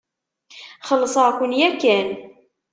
Xellseɣ-ken yakan.